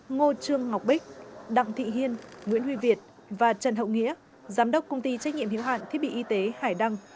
ngô trương ngọc bích đặng thị hiên nguyễn huy việt và trần hậu nghĩa giám đốc công ty trách nhiệm hiếu hạn thiết bị y tế hải đăng